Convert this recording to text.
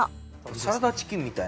サラダチキンみたいな？